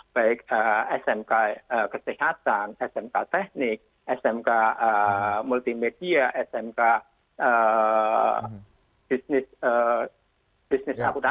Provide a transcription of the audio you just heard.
baik smk kesehatan smk teknik smk multimedia smk bisnis akutan